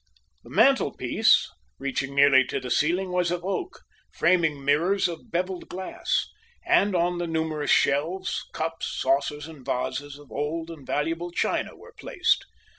The mantelpiece, reaching nearly to the ceiling, was of oak, framing mirrors of bevelled glass; and on the numerous shelves, cups, saucers, and vases of old and valuable china were placed.